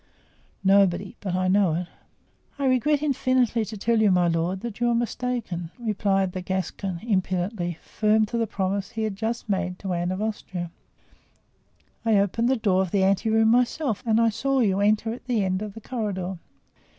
"Nobody, but I know it." "I regret infinitely to tell you, my lord, that you are mistaken," replied the Gascon, impudently, firm to the promise he had just made to Anne of Austria. "I opened the door of the ante room myself and I saw you enter at the end of the corridor."